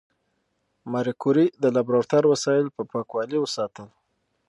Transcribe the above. ماري کوري د لابراتوار وسایل په پاکوالي وساتل.